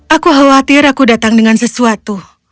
aku khawatir aku datang dengan sesuatu